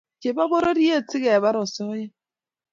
chepo pororiet sikepar osoya